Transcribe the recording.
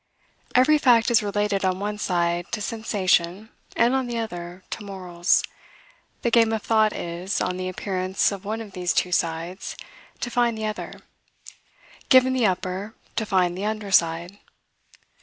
Every fact is related on one side to sensation and, on the other, to morals. The game of thought is, on the appearance of one of these two sides, to find the other; given the upper, to find the under side.